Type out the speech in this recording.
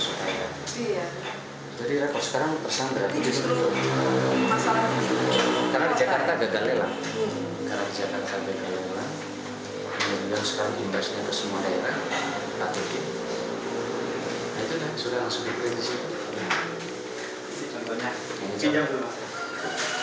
itu sudah langsung diperluas